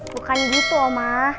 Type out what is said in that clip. bukan gitu oma